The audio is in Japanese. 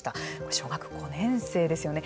小学校５年生ですよね。